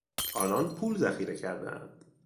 آنان پول ذخیره کردهاند.